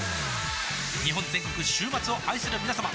日本全国週末を愛するみなさま